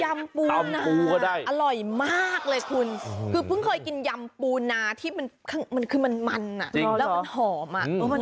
ปูนาอร่อยมากเลยคุณคือเพิ่งเคยกินยำปูนาที่มันคือมันมันแล้วมันหอมอ่ะ